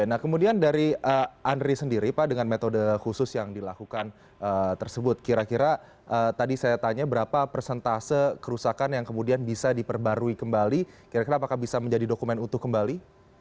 nah kemudian dari andri sendiri pak dengan metode khusus yang dilakukan tersebut kira kira tadi saya tanya berapa persentase kerusakan yang kemudian bisa diperbarui kembali kira kira apakah bisa menjadi dokumen utuh kembali